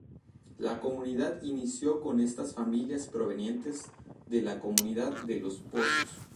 La comunidad inicio con estas familias provenientes de la comunidad de Los Pozos.